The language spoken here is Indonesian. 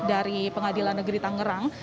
dari pengadilan negeri tangerang